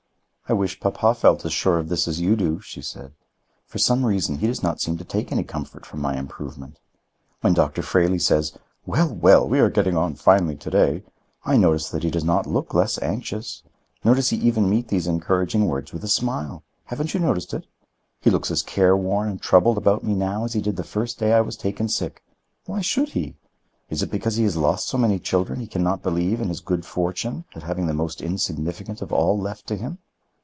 "I wish papa felt as sure of this as you do," she said. "For some reason he does not seem to take any comfort from my improvement. When Doctor Freligh says, 'Well, well! we are getting on finely to day,' I notice that he does not look less anxious, nor does he even meet these encouraging words with a smile. Haven't you noticed it? He looks as care worn and troubled about me now as he did the first day I was taken sick. Why should he? Is it because he has lost so many children he can not believe in his good fortune at having the most insignificant of all left to him?"